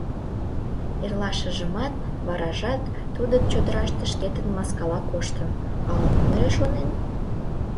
Эрлашыжымат, варажат тудо чодыраште шкетын маскала коштын, ала-мом эре шонен.